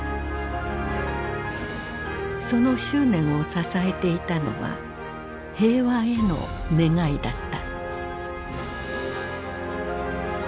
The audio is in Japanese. その執念を支えていたのは平和への願いだった。